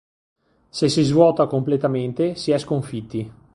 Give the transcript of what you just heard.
Se si svuota completamente, si è sconfitti.